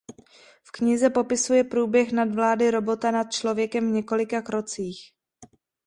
V knize popisuje průběh nadvlády robota nad člověkem v několika krocích.